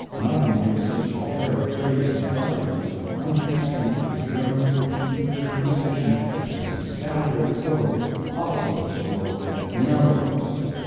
Nothing gives such an air of grace and elegance and unconstraint to a German or an English conversation as to scatter it full of "Also's" or "You knows."